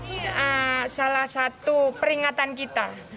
ini salah satu peringatan kita